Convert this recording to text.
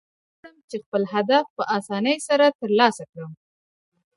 غواړم، چي خپل هدف په آساني سره ترلاسه کړم.